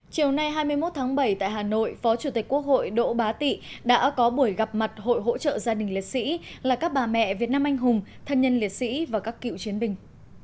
chiều nay hai mươi một tháng bảy tại hà nội phó chủ tịch quốc hội đỗ bá tị đã có buổi gặp mặt hội hỗ trợ gia đình liệt sĩ là các bà mẹ việt nam anh hùng thân nhân liệt sĩ và các cựu chiến binh